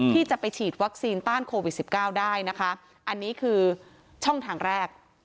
ที่จะไปฉีดวัคซีนต้านโควิดสิบเก้าได้นะคะอันนี้คือช่องทางแรก